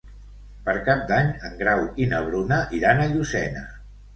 Per Cap d'Any en Grau i na Bruna iran a Llucena.